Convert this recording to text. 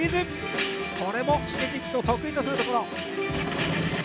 これも、Ｓｈｉｇｅｋｉｘの得意とするところ。